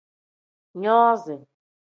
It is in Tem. Nozi.